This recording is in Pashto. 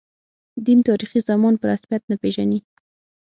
دین، تاریخي زمان په رسمیت نه پېژني.